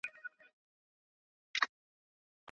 ګاونډی هیواد سرحدي شخړه نه پیلوي.